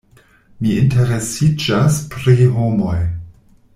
Mi interesiĝas pri homoj.